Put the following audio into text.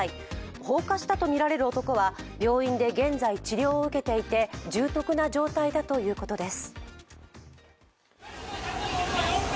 放火したとみられる男は病院で現在治療を受けていて重篤な状態だということです。